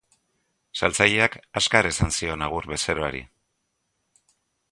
Saltzaileak azkar esan zion agur bezeroari.